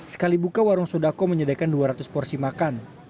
sekali buka warung sodako menyediakan dua ratus porsi makan